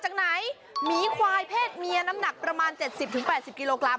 คุณพ่วยแพศเมียน้ำหนักประมาณ๗๐๘๐กิโลกรัม